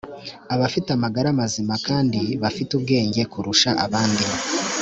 abafite amagara mazima kandi bafite ubwenge kurusha abandi